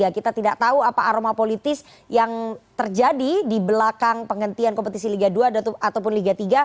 kita tidak tahu apa aroma politis yang terjadi di belakang penghentian kompetisi liga dua ataupun liga tiga